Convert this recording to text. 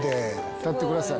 立ってください。